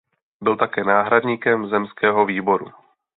Byl také náhradníkem zemského výboru.